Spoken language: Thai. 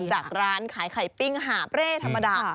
จากร้านขายไข่ปิ้งหาบเร่ธรรมดา